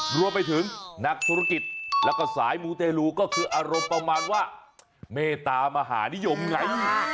รวมไปถึงนักธุรกิจแล้วก็สายมูเตลูก็คืออารมณ์ประมาณว่าเมตามหานิยมไง